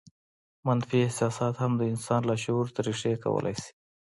منفي احساسات هم د انسان لاشعور ته رېښې کولای شي